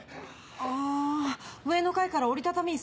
あぁ上の階から折り畳み椅子